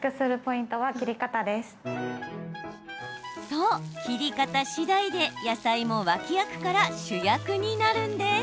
そう、切り方次第で野菜も脇役から主役になるんです。